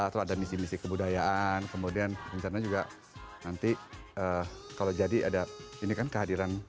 terus ada misi misi kebudayaan kemudian rencana juga nanti kalau jadi ada ini kan kehadiran